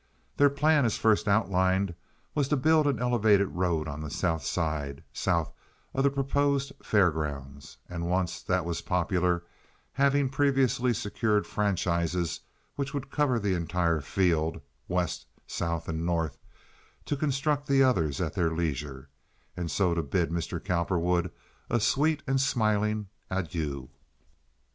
Their plan as first outlined was to build an elevated road on the South Side—south of the proposed fair grounds—and once that was popular—having previously secured franchises which would cover the entire field, West, South, and North—to construct the others at their leisure, and so to bid Mr. Cowperwood a sweet and smiling adieu.